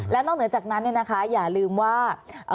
แล้วนอกเหนือจากนั้นเนี่ยนะคะอย่าลืมว่า